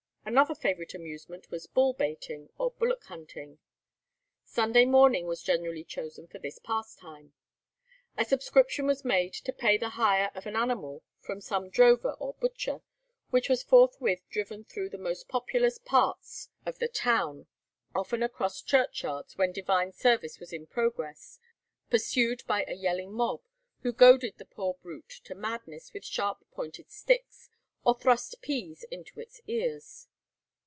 Another favourite amusement was bull baiting or bullock hunting. Sunday morning was generally chosen for this pastime. A subscription was made to pay the hire of an animal from some drover or butcher, which was forthwith driven through the most populous parts of the town; often across church yards when divine service was in progress, pursued by a yelling mob, who goaded the poor brute to madness with sharp pointed sticks, or thrust peas into its ears.